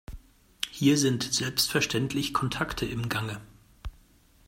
Hier sind selbstverständlich Kontakte im Gange.